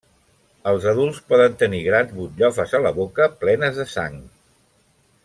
Els adults poden tenir grans butllofes a la boca plenes de sang.